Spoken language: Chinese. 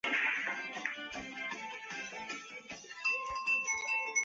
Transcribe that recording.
红花砂仁为姜科豆蔻属下的一个种。